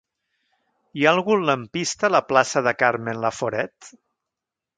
Hi ha algun lampista a la plaça de Carmen Laforet?